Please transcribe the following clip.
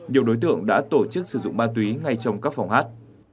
nhiều đối tượng đã tổ chức sử dụng ma túy ngay trong các phòng hát